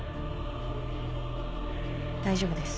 大丈夫です。